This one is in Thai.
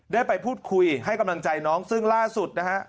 ได้ไปพูดคุยให้กำลังใจน้องซึ่งล่าสุดนะฮะ